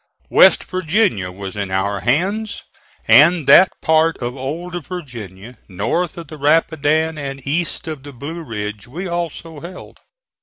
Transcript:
West Virginia was in our hands; and that part of old Virginia north of the Rapidan and east of the Blue Ridge we also held.